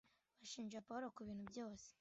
bashinja pawulo kubintu byose